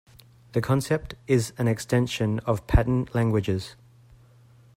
The concept is an extension of pattern languages.